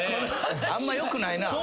あんまよくないなぁ。